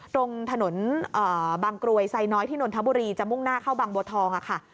ตรงถนนฑังกรวยไซน้อยธินวนธบุรีจะมุ่งหน้าเข้าฑังโบทอง